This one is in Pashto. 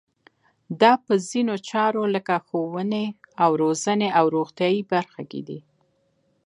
دا په ځینو چارو لکه ښوونې او روزنې او روغتیایي برخه کې دي.